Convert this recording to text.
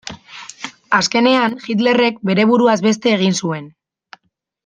Azkenean Hitlerrek bere buruaz beste egin zuen.